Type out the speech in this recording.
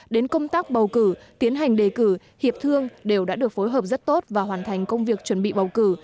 đến công tác bầu cử tiến hành đề cử hiệp thương đều đã được phối hợp rất tốt và hoàn thành công việc chuẩn bị bầu cử